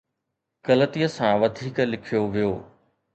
غلطيءَ سان وڌيڪ لکيو ويو